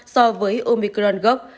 so với ômicron gốc